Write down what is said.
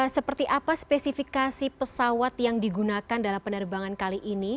seperti apa spesifikasi pesawat yang digunakan dalam penerbangan kali ini